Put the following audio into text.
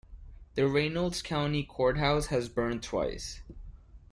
The Reynolds County Courthouse has burned twice.